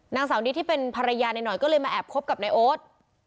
นางสาวนิดที่เป็นภรรยาหน่อยก็เลยมาแอบคบกับนายโอ๊ต